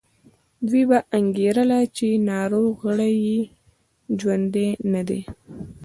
دوی به انګېرله چې ناروغ غړي یې ژوندي نه دي.